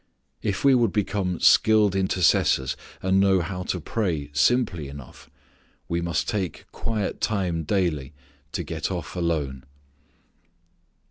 If we would become skilled intercessors, and know how to pray simply enough, we must take quiet time daily to get off alone.